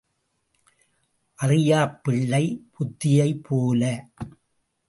அறியாப் பிள்ளை புத்தியைப் போல.